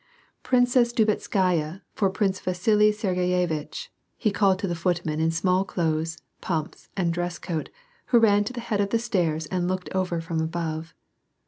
" Princess Drubetskaya for Prince Vasili Sergeyevitch," he called to the footman in smallclothes, pumps, and dress coat, who ran to the head of the stairs and looked over from above.